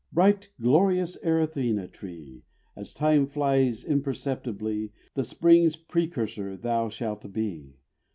Bright, glorious Erythrina tree! As time flies imperceptibly, The spring's precursor thou shalt be.